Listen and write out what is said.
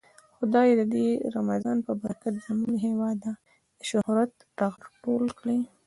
خدايه د دې رمضان په برکت زمونږ له هيواده د شهرت ټغر ټول کړې.